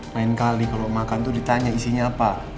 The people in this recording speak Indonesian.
lain kali kalau makan tuh ditanya isinya apa